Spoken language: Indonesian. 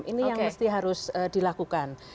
ini yang mesti harus dilakukan